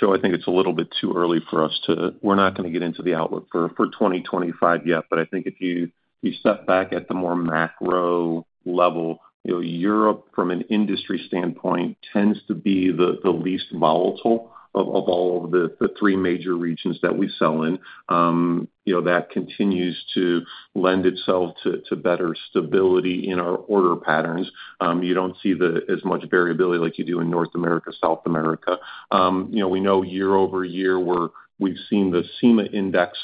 Joel, I think it's a little bit too early for us to. We're not going to get into the outlook for 2025 yet, but I think if you step back at the more macro level, Europe from an industry standpoint tends to be the least volatile of all of the three major regions that we sell in. That continues to lend itself to better stability in our order patterns. You don't see as much variability like you do in North America, South America. We know year-over-year we've seen the CEMA index,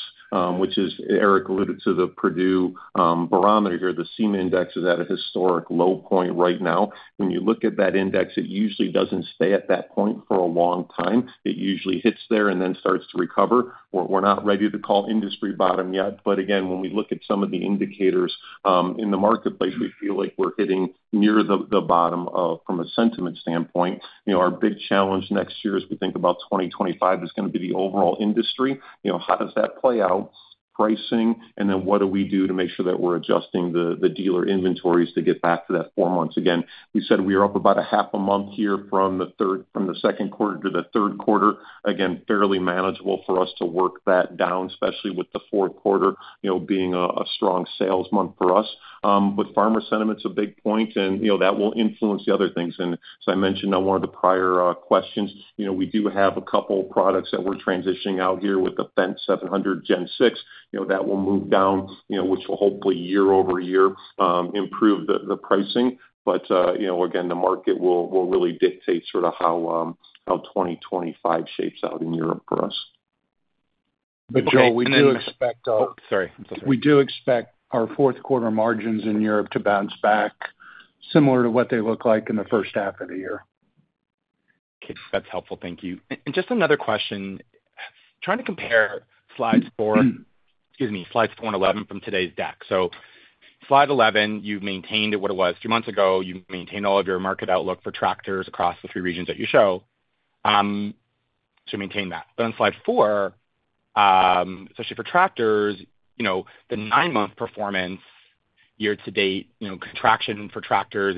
which Eric alluded to the Purdue barometer here. The CEMA index is at a historic low point right now. When you look at that index, it usually doesn't stay at that point for a long time. It usually hits there and then starts to recover. We're not ready to call industry bottom yet. But again, when we look at some of the indicators in the marketplace, we feel like we're hitting near the bottom from a sentiment standpoint. Our big challenge next year is we think about 2025 is going to be the overall industry. How does that play out? Pricing, and then what do we do to make sure that we're adjusting the dealer inventories to get back to that four months? Again, we said we were up about a half a month here from the second quarter to the third quarter. Again, fairly manageable for us to work that down, especially with the fourth quarter being a strong sales month for us. But farmer sentiment's a big point, and that will influence the other things. As I mentioned on one of the prior questions, we do have a couple products that we're transitioning out here with the Fendt 700 Gen6. That will move down, which will hopefully year-over-year improve the pricing. But again, the market will really dictate sort of how 2025 shapes out in Europe for us. But Joel, we do expect our, Sorry. We do expect our fourth quarter margins in Europe to bounce back similar to what they look like in the first half of the year. Okay. That's helpful. Thank you. And just another question. Trying to compare slides four, excuse me, slides four and 11 from today's deck. So slide 11, you've maintained what it was three months ago. You've maintained all of your market outlook for tractors across the three regions that you show to maintain that. But on slide 4, especially for tractors, the nine-month performance year-to-date contraction for tractors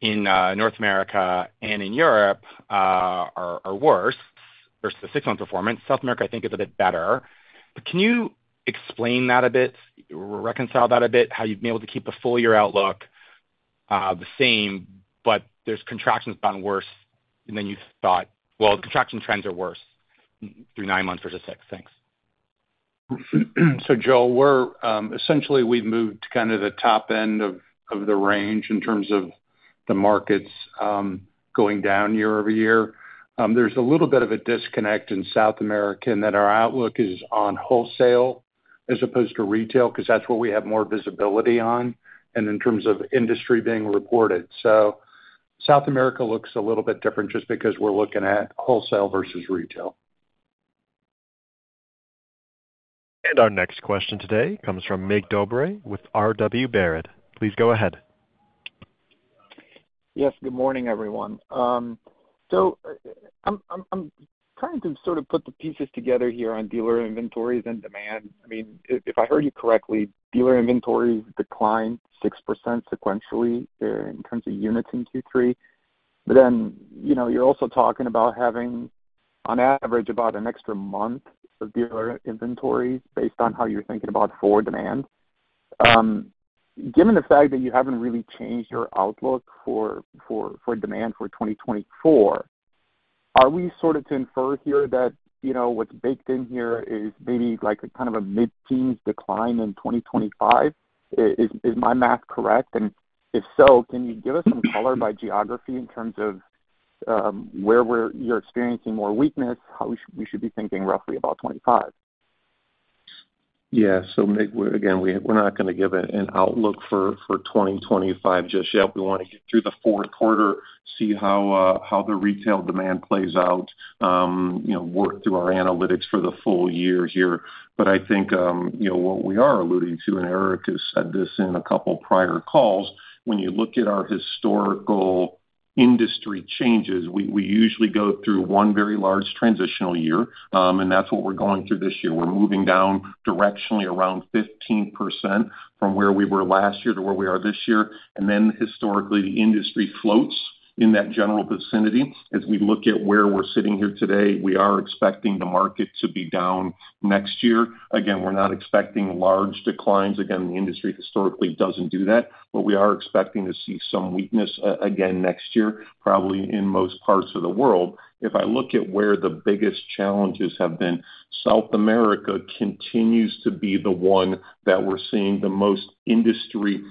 in North America and in Europe are worse versus the six-month performance. South America, I think, is a bit better. But can you explain that a bit or reconcile that a bit, how you've been able to keep the full-year outlook the same, but there's contractions gotten worse, and then you thought, "Well, the contraction trends are worse through nine months versus six." Thanks. So Joel, essentially, we've moved to kind of the top end of the range in terms of the markets going down year-over-year. There's a little bit of a disconnect in South America in that our outlook is on wholesale as opposed to retail because that's where we have more visibility on and in terms of industry being reported. South America looks a little bit different just because we're looking at wholesale versus retail. Our next question today comes from Mig Dobre with RW Baird. Please go ahead. Yes. Good morning, everyone. I'm trying to sort of put the pieces together here on dealer inventories and demand. I mean, if I heard you correctly, dealer inventories decline 6% sequentially in terms of units in Q3. But then you're also talking about having, on average, about an extra month of dealer inventory based on how you're thinking about forward demand. Given the fact that you haven't really changed your outlook for demand for 2024, are we sort of to infer here that what's baked in here is maybe kind of a mid-teens decline in 2025? Is my math correct? And if so, can you give us some color by geography in terms of where you're experiencing more weakness, how we should be thinking roughly about 2025? Yeah. So Mig, again, we're not going to give an outlook for 2025 just yet. We want to get through the fourth quarter, see how the retail demand plays out, work through our analytics for the full year here. But I think what we are alluding to, and Eric has said this in a couple prior calls, when you look at our historical industry changes, we usually go through one very large transitional year, and that's what we're going through this year. We're moving down directionally around 15% from where we were last year to where we are this year. And then historically, the industry floats in that general vicinity. As we look at where we're sitting here today, we are expecting the market to be down next year. Again, we're not expecting large declines. Again, the industry historically doesn't do that, but we are expecting to see some weakness again next year, probably in most parts of the world. If I look at where the biggest challenges have been, South America continues to be the one that we're seeing the most industry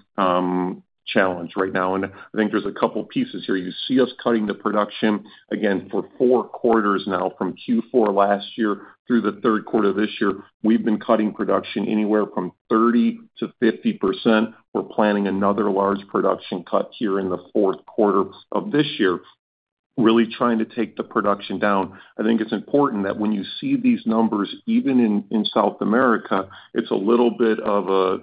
challenge right now. And I think there's a couple pieces here. You see us cutting the production. Again, for four quarters now, from Q4 last year through the third quarter of this year, we've been cutting production anywhere from 30%-50%. We're planning another large production cut here in the fourth quarter of this year, really trying to take the production down. I think it's important that when you see these numbers, even in South America, it's a little bit of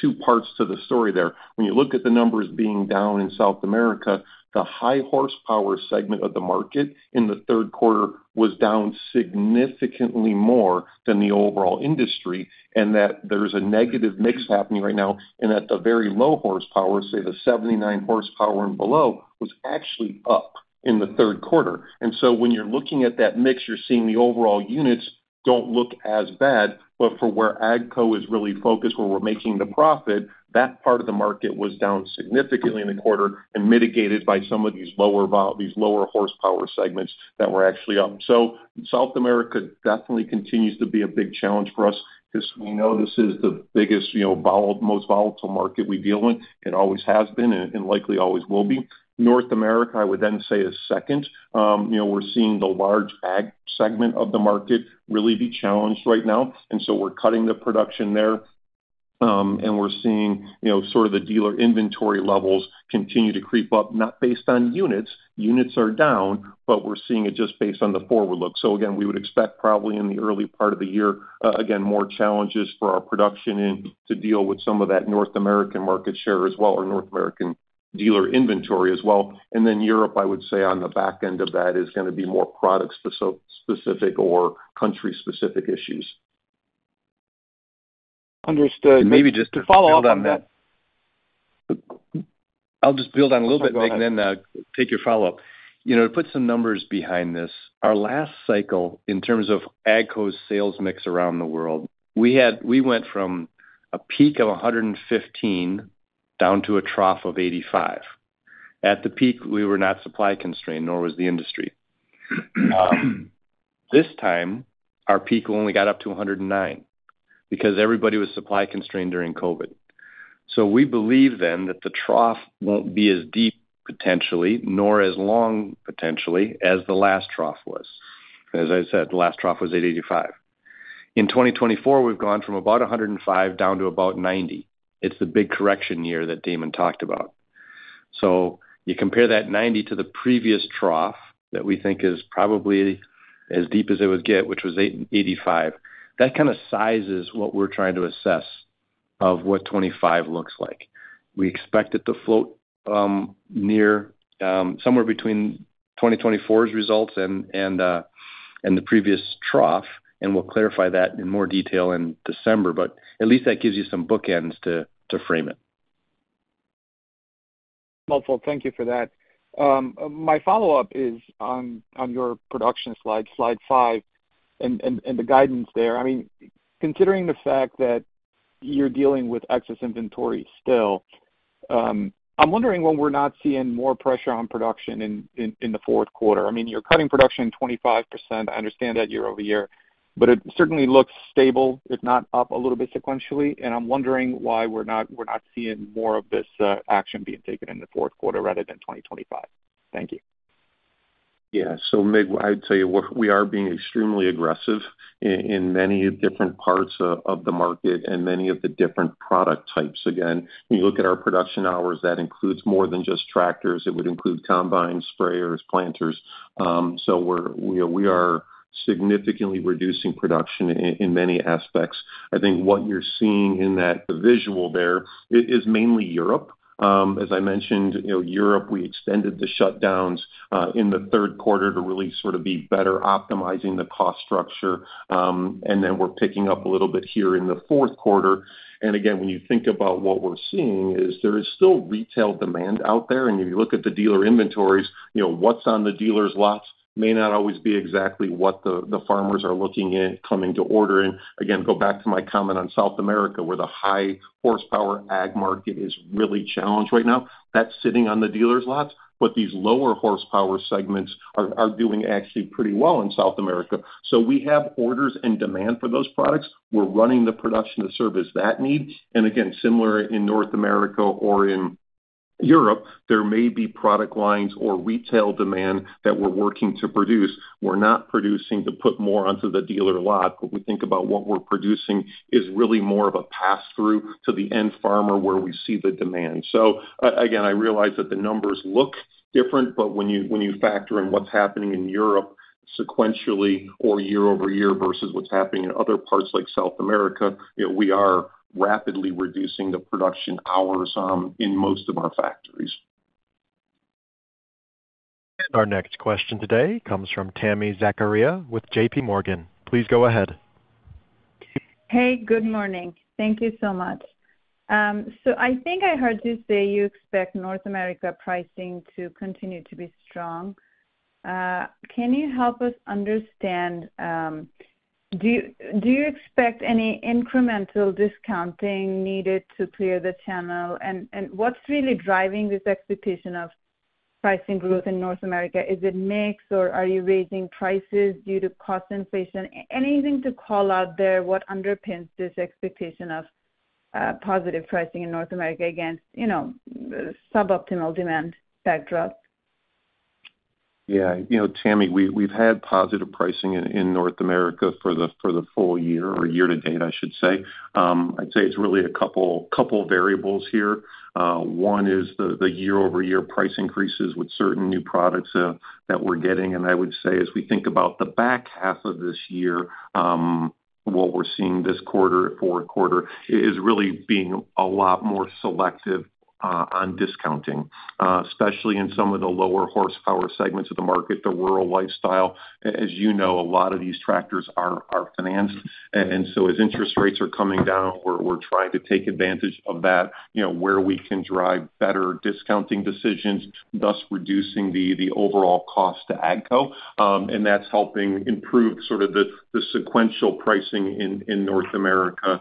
two parts to the story there. When you look at the numbers being down in South America, the high-horsepower segment of the market in the third quarter was down significantly more than the overall industry, and that there's a negative mix happening right now, and at the very low horsepower, say the 79 horsepower and below, was actually up in the third quarter, and so when you're looking at that mix, you're seeing the overall units don't look as bad, but for where AGCO is really focused, where we're making the profit, that part of the market was down significantly in the quarter and mitigated by some of these lower horsepower segments that were actually up. So South America definitely continues to be a big challenge for us because we know this is the biggest, most volatile market we deal with and always has been and likely always will be. North America, I would then say is second. We're seeing the large ag segment of the market really be challenged right now. And so we're cutting the production there, and we're seeing sort of the dealer inventory levels continue to creep up, not based on units. Units are down, but we're seeing it just based on the forward look. So again, we would expect probably in the early part of the year, again, more challenges for our production to deal with some of that North American market share as well or North American dealer inventory as well. And then Europe, I would say on the back end of that, is going to be more product-specific or country-specific issues. Understood. Maybe just to follow up on that, I'll just build on a little bit, Mig, and then take your follow-up. To put some numbers behind this, our last cycle in terms of AGCO's sales mix around the world, we went from a peak of 115 down to a trough of 85. At the peak, we were not supply constrained, nor was the industry. This time, our peak only got up to 109 because everybody was supply constrained during COVID. So we believe then that the trough won't be as deep potentially, nor as long potentially as the last trough was. As I said, the last trough was 85. In 2024, we've gone from about 105 down to about 90. It's the big correction year that Damon talked about. You compare that 90 to the previous trough that we think is probably as deep as it would get, which was 885. That kind of sizes what we're trying to assess of what 25 looks like. We expect it to float somewhere between 2024's results and the previous trough, and we'll clarify that in more detail in December. But at least that gives you some bookends to frame it. Well, thank you for that. My follow-up is on your production slide, slide 5, and the guidance there. I mean, considering the fact that you're dealing with excess inventory still, I'm wondering when we're not seeing more pressure on production in the fourth quarter. I mean, you're cutting production 25%. I understand that year-over-year, but it certainly looks stable, if not up a little bit sequentially. I'm wondering why we're not seeing more of this action being taken in the fourth quarter rather than 2025. Thank you. Yeah. Mig, I would tell you we are being extremely aggressive in many different parts of the market and many of the different product types. Again, when you look at our production hours, that includes more than just tractors. It would include combines, sprayers, planters. We are significantly reducing production in many aspects. I think what you're seeing in that visual there is mainly Europe. As I mentioned, Europe, we extended the shutdowns in the third quarter to really sort of be better optimizing the cost structure. Then we're picking up a little bit here in the fourth quarter. Again, when you think about what we're seeing is there is still retail demand out there. And if you look at the dealer inventories, what's on the dealer's lots may not always be exactly what the farmers are looking at coming to order. And again, go back to my comment on South America, where the high-horsepower ag market is really challenged right now. That's sitting on the dealer's lots. But these lower-horsepower segments are doing actually pretty well in South America. So we have orders and demand for those products. We're running the production to service that need. And again, similar in North America or in Europe, there may be product lines or retail demand that we're working to produce. We're not producing to put more onto the dealer lot. But we think about what we're producing is really more of a pass-through to the end farmer where we see the demand. So again, I realize that the numbers look different, but when you factor in what's happening in Europe sequentially or year-over-year versus what's happening in other parts like South America, we are rapidly reducing the production hours in most of our factories. And our next question today comes from Tami Zakaria with JPMorgan. Please go ahead. Hey, good morning. Thank you so much. So I think I heard you say you expect North America pricing to continue to be strong. Can you help us understand, do you expect any incremental discounting needed to clear the channel? And what's really driving this expectation of pricing growth in North America? Is it mixed, or are you raising prices due to cost inflation? Anything to call out there? What underpins this expectation of positive pricing in North America against suboptimal demand backdrop? Yeah. Tami, we've had positive pricing in North America for the full year or year-to-date, I should say. I'd say it's really a couple variables here. One is the year-over-year price increases with certain new products that we're getting. And I would say as we think about the back half of this year, what we're seeing this quarter, fourth quarter, is really being a lot more selective on discounting, especially in some of the lower-horsepower segments of the market, the Rural Lifestyle. As you know, a lot of these tractors are financed. And so as interest rates are coming down, we're trying to take advantage of that where we can drive better discounting decisions, thus reducing the overall cost to AGCO. And that's helping improve sort of the sequential pricing in North America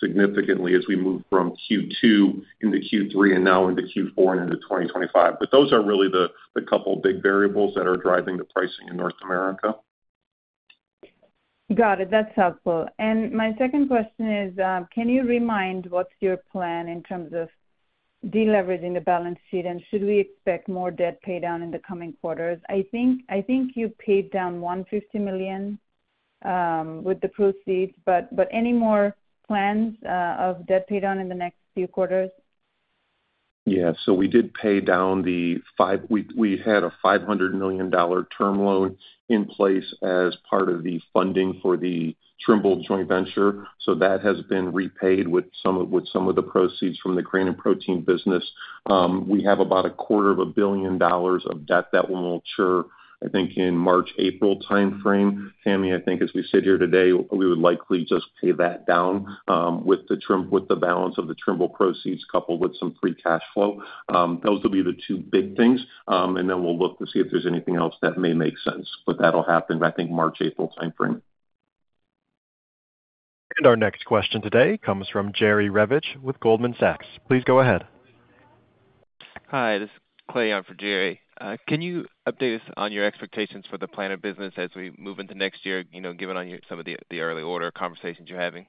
significantly as we move from Q2 into Q3 and now into Q4 and into 2025. But those are really the couple big variables that are driving the pricing in North America. Got it. That's helpful. And my second question is, can you remind what's your plan in terms of deleveraging the balance sheet? And should we expect more debt paydown in the coming quarters? I think you paid down $150 million with the proceeds, but any more plans of debt paydown in the next few quarters? Yeah. So we did pay down the $500 million we had, a $500 million term loan in place as part of the funding for the Trimble Joint Venture. So that has been repaid with some of the proceeds from the Grain & Protein business. We have about $250 million of debt that will mature, I think, in March, April timeframe. Tami, I think as we sit here today, we would likely just pay that down with the balance of the Trimble proceeds coupled with some free cash flow. Those will be the two big things. And then we'll look to see if there's anything else that may make sense. But that'll happen, I think, March, April timeframe. And our next question today comes from Jerry Revich with Goldman Sachs. Please go ahead. Hi. This is Clay for Jerry. Can you update us on your expectations for the planter business as we move into next year, given on some of the early order conversations you're having?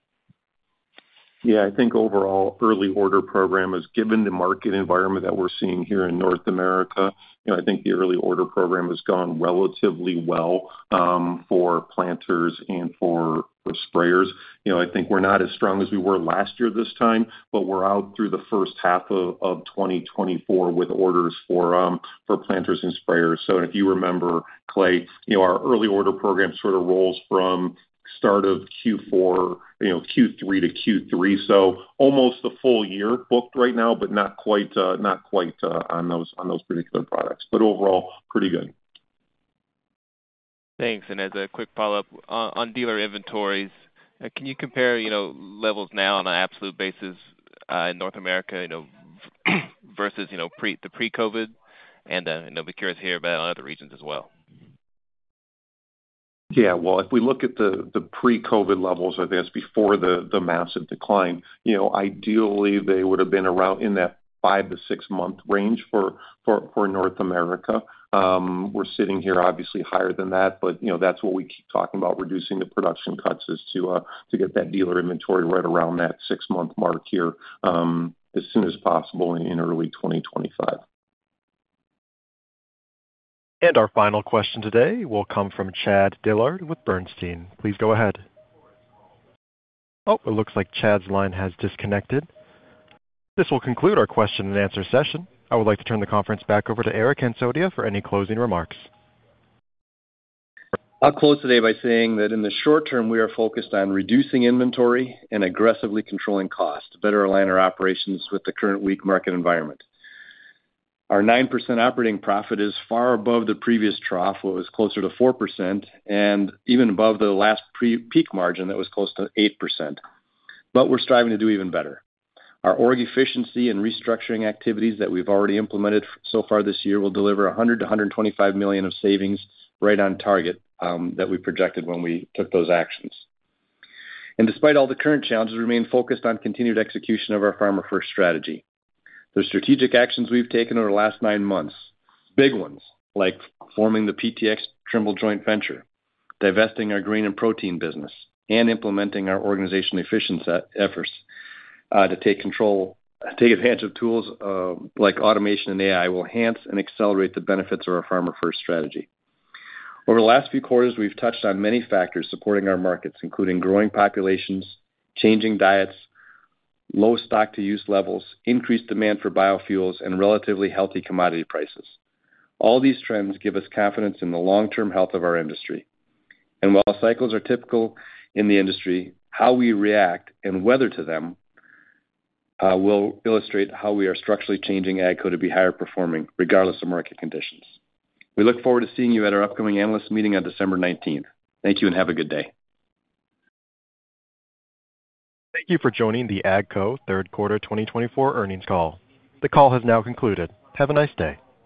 Yeah. I think overall, early order program, given the market environment that we're seeing here in North America, I think the early order program has gone relatively well for planters and for sprayers. I think we're not as strong as we were last year this time, but we're out through the first half of 2024 with orders for planters and sprayers. If you remember, Clay, our early order program sort of rolls from start of Q4, Q3 to Q3. Almost the full year booked right now, but not quite on those particular products. Overall, pretty good. Thanks. As a quick follow-up on dealer inventories, can you compare levels now on an absolute basis in North America versus the pre-COVID? I'll be curious to hear about other regions as well. Yeah. If we look at the pre-COVID levels, I guess, before the massive decline, ideally, they would have been around in that five to six-month range for North America. We're sitting here, obviously, higher than that, but that's what we keep talking about, reducing the production cuts to get that dealer inventory right around that six-month mark here as soon as possible in early 2025. And our final question today will come from Chad Dillard with Bernstein. Please go ahead. Oh, it looks like Chad's line has disconnected. This will conclude our question-and-answer session. I would like to turn the conference back over to Eric Hansotia for any closing remarks. I'll close today by saying that in the short term, we are focused on reducing inventory and aggressively controlling cost to better align our operations with the current weak market environment. Our 9% operating profit is far above the previous trough, which was closer to 4%, and even above the last peak margin that was close to 8%. But we're striving to do even better. Our org efficiency and restructuring activities that we've already implemented so far this year will deliver $100 million-$125 million in savings right on target that we projected when we took those actions, and despite all the current challenges, we remain focused on continued execution of our Farmer First strategy. The strategic actions we've taken over the last nine months, big ones like forming the PTx Trimble Joint Venture, divesting our Grain & Protein business, and implementing our organizational efficiency efforts to take advantage of tools like automation and AI will enhance and accelerate the benefits of our Farmer First strategy. Over the last few quarters, we've touched on many factors supporting our markets, including growing populations, changing diets, low stock-to-use levels, increased demand for biofuels, and relatively healthy commodity prices. All these trends give us confidence in the long-term health of our industry. While cycles are typical in the industry, how we react and weather to them will illustrate how we are structurally changing AGCO to be higher-performing, regardless of market conditions. We look forward to seeing you at our upcoming analyst meeting on December 19th. Thank you and have a good day. Thank you for joining the AGCO Third Quarter 2024 Earnings Call. The call has now concluded. Have a nice day.